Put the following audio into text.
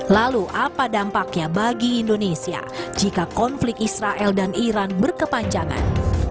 lalu apa dampaknya bagi indonesia jika konflik israel dan iran berkepanjangan